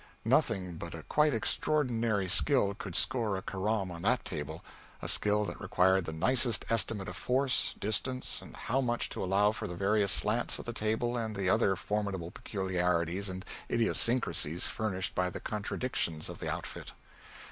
Nothing but a quite extraordinary skill could score a carom on that table a skill that required the nicest estimate of force, distance, and how much to allow for the various slants of the table and the other formidable peculiarities and idiosyncrasies furnished by the contradictions of the outfit.